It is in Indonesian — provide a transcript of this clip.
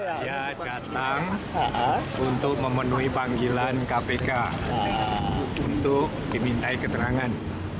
dia datang untuk memenuhi panggilan kpk untuk dimintai keterangan